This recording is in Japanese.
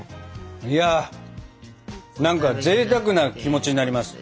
いや何かぜいたくな気持ちになります。